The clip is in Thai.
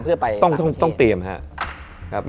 เพื่อไปต่างประเทศต้องเตรียมฮะ